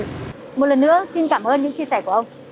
một lần nữa xin cảm ơn những chia sẻ của ông